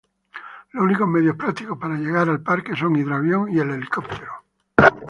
Los únicos medios prácticos para llegar al parque son el hidroavión y el helicóptero.